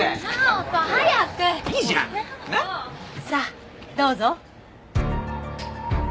さあどうぞ。